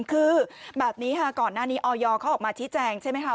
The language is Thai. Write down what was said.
คือแบบนี้ค่ะก่อนหน้านี้ออยเขาออกมาชี้แจงใช่ไหมคะ